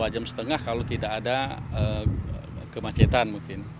dua jam setengah kalau tidak ada kemacetan mungkin